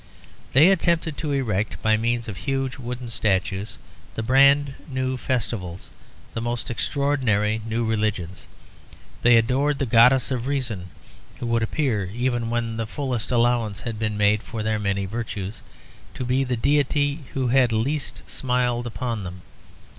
They attempted to erect, by means of huge wooden statues and brand new festivals, the most extraordinary new religions. They adored the Goddess of Reason, who would appear, even when the fullest allowance has been made for their many virtues, to be the deity who had least smiled upon them.